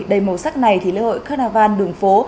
đầy màu sắc này thì lễ hội carnival đường phố